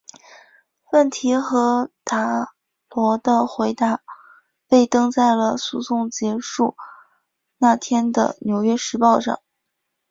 问题和达罗的回答被登在了诉讼结束那天的纽约时报上。